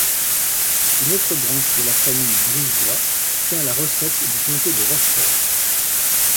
Une autre branche de la famille Brisbois tient la recette du comté de Rochefort.